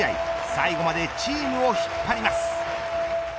最後までチームを引っ張ります。